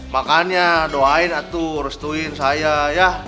makanya doain aduh restuin saya ya